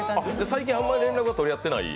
最近あまり連絡は取り合ってない？